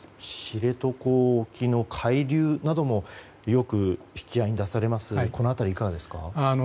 知床沖の海流などもよく引き合いに出されますがこの辺り、いかがですか？